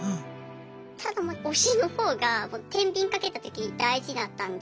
ただまあ推しの方がてんびんかけたとき大事だったんで。